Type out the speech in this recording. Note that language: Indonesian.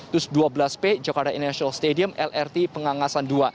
terus dua belas p jakarta international stadium lrt pengangasan dua